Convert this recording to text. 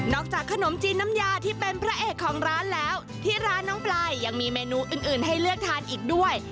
จากขนมจีนน้ำยาที่เป็นพระเอกของร้านแล้วที่ร้านน้องปลายยังมีเมนูอื่นให้เลือกทานอีกด้วย